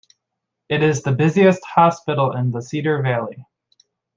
It is the busiest hospital in the Cedar Valley.